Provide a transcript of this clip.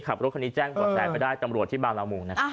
ขับรถคันนี้แจ้งบ่อแสไปได้ตำรวจที่บางละมุงนะ